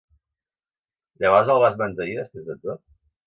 Llavors el vas mantenir després de tot?